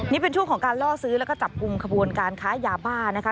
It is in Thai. นี่เป็นช่วงของการล่อซื้อแล้วก็จับกลุ่มขบวนการค้ายาบ้านะคะ